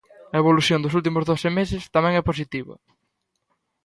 A evolución dos últimos doce meses tamén é positiva.